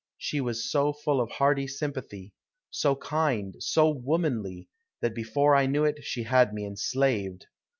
She was so full of hearty sympathy, so kind, so womanly, that before I knew it she had me enslaved.